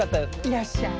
「いらっしゃい」。